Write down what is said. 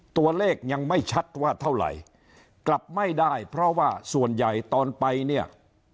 ตัวเลขยังไม่ชัดว่าเท่าไหร่กลับไม่ได้เพราะว่าส่วนใหญ่ตอนไปเนี่ย